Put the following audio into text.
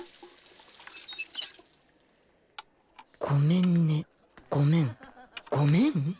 ごめんねごめんごめん？